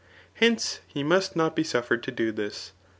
Hence, he must not be suflfered to do this."